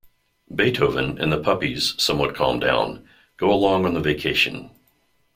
Beethoven and the puppies, somewhat calmed down, go along on the vacation.